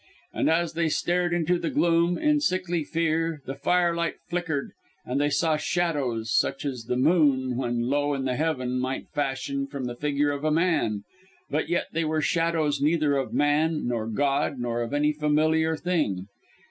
And as they stared into the gloom, in sickly fear, the firelight flickered and they saw shadows, such as the moon, when low in the heaven, might fashion from the figure of a man; but yet they were shadows neither of man, nor God, nor of any familiar thing.